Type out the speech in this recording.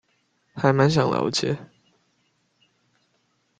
還滿想了解